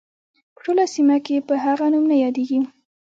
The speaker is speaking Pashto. په ټوله سیمه کې په هغه نوم نه یادیږي.